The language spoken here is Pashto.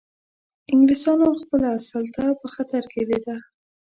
انګلیسانو خپله سلطه په خطر کې لیده.